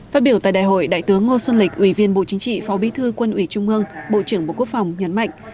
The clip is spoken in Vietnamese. phát biểu tại đại hội đại tướng ngô xuân lịch ủy viên bộ chính trị phó bí thư quân ủy trung ương bộ trưởng bộ quốc phòng nhấn mạnh